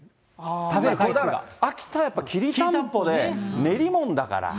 秋田はやっぱりきりたんぽで、練りもんだから。